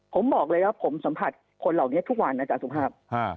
ผมบอกเลยว่าผมสัมผัสคนเหล่านี้ทุกวันธุปราบ